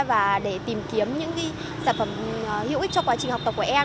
và để tìm kiếm những sản phẩm hữu ích cho quá trình học tập của em